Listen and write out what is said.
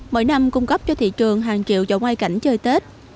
mỗi năm cung cấp cho thị trường hàng triệu chậu hoa cảnh chơi tết